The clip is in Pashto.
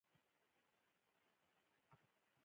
چی په تاسی کی تر ټولو ډیر پرهیزګاره وی